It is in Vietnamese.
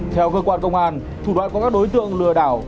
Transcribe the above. theo cơ quan công an thủ đoạn của các đối tượng lừa đảo